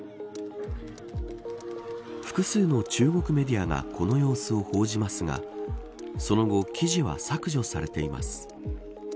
複数の中国メディアがこの様子を報じますがその後、記事は削除されています。